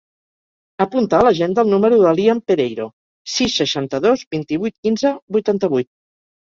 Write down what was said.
Apunta a l'agenda el número de l'Ian Pereiro: sis, seixanta-dos, vint-i-vuit, quinze, vuitanta-vuit.